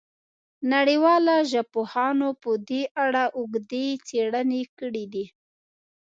نړیوالو ژبپوهانو په دې اړه اوږدې څېړنې کړې دي.